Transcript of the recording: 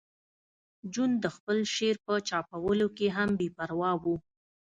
جون د خپل شعر په چاپولو کې هم بې پروا و